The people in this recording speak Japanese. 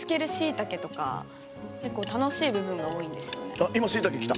あっ今しいたけ来た。